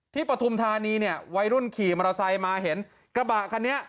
ปฐุมธานีเนี่ยวัยรุ่นขี่มอเตอร์ไซค์มาเห็นกระบะคันนี้